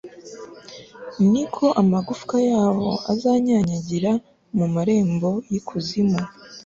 ni ko amagufwa yabo azanyanyagira mu marembo y'ikuzimu